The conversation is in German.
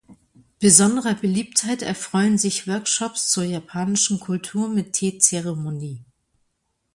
Besonderer Beliebtheit erfreuen sich Workshops zur japanischen Kultur mit Teezeremonie.